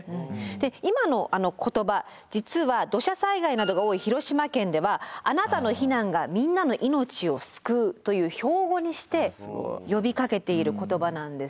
で今の言葉実は土砂災害などが多い広島県では「あなたの避難が、みんなの命を救う。」という標語にして呼びかけている言葉なんですよね。